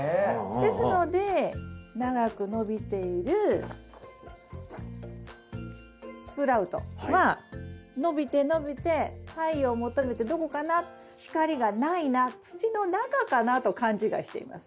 ですので長く伸びているスプラウトは伸びて伸びて太陽を求めてどこかな光がないな土の中かなと勘違いしています。